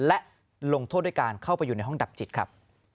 และลงโทษด้วยการเข้าไปอยู่ในห้องดับจิตครับ